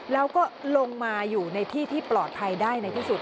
แล้วก็ลงมาอยู่ในที่ที่ปลอดภัยได้ในที่สุด